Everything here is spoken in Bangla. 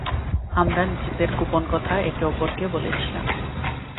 আমরা নিজেদের গোপন কথা একে-অপরকে বলেছিলাম।